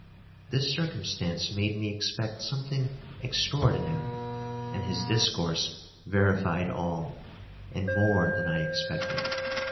This circumstance made me expect something extraordinary, and his discourse verified all, and more than I expected.